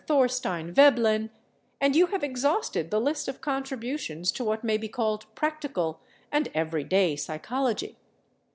Thorstein Veblen, and you have exhausted the list of contributions to what may be called practical and everyday psychology.